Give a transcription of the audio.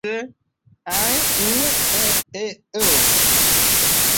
সে পুলিশের হাতে ধরা খায়।